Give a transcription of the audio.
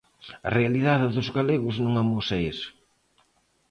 A realidade dos galegos non amosa iso.